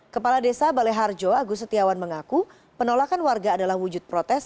kepala desa baleharjo agus setiawan mengaku penolakan warga adalah wujud protes